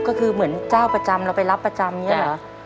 ก็คือเหมือนเจ้าประจำเราไปรับประจำอย่างนี้เหรอ